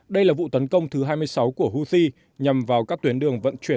đây là vụ tấn công thứ hai mươi sáu của house nhằm vào các tuyến đường vận chuyển